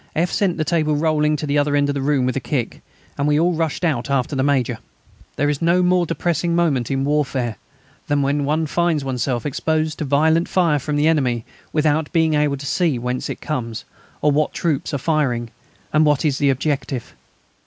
F. sent the table rolling to the other end of the room with a kick, and we all rushed out after the Major. There is no more depressing moment in warfare than when one finds oneself exposed to violent fire from the enemy without being able to see whence it comes, or what troops are firing, and what is its objective.